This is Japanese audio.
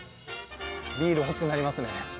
ビール欲しくなりますね。